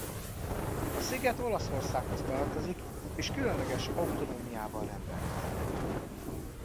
A sziget Olaszországhoz tartozik és különleges autonómiával rendelkezik.